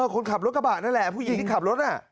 คนขับรถกระบะนั่นแหละผู้หญิงที่ขับรถน่ะ